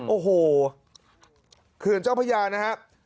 โอ้โหเขื่อนเจ้าพระยานะครับ